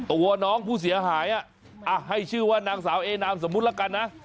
โอ้ว้าวน้องผู้เสียหายอ่ะอ่ะให้ชื่อว่านางสาวเอนามสมมุติละกันนะ